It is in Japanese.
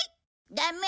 ダメ！